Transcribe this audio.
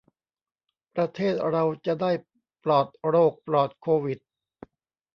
ประเทศเราจะได้ปลอดโรคปลอดโควิด